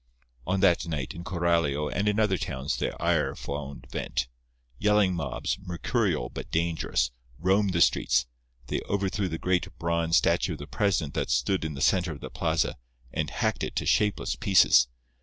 On that night, in Coralio and in other towns, their ire found vent. Yelling mobs, mercurial but dangerous, roamed the streets. They overthrew the great bronze statue of the president that stood in the centre of the plaza, and hacked it to shapeless pieces.